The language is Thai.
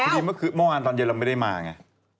ทีนี้เมื่อคือเมื่อวานตอนเจ็ดเราไม่ได้มาเอ่อ